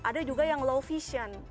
ada juga yang low vision